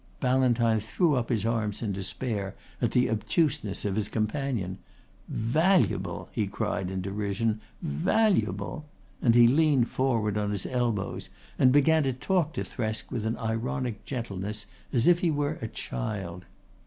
Ballantyne threw up his arms in despair at the obtuseness of his companion. "Valuable!" he cried in derision. "Valuable!" and he leaned forward on his elbows and began to talk to Thresk with an ironic gentleness as if he were a child.